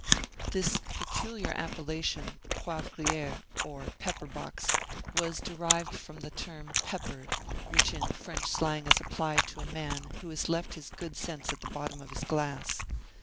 This peculiar appellation "Poivriere" or "pepper box" was derived from the term "peppered" which in French slang is applied to a man who has left his good sense at the bottom of his glass.